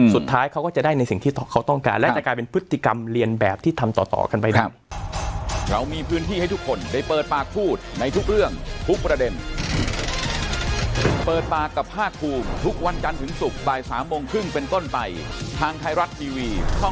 สุดท้ายเขาก็จะได้ในสิ่งที่เขาต้องการและจะกลายเป็นพฤติกรรมเรียนแบบที่ทำต่อกันไปนะครับ